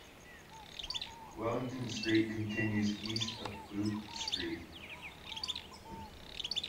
Wellington Street continues east of Booth Street.